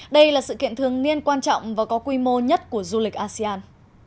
đây là sự kiện thường niên quan trọng và có quy mô nhất của du lịch asean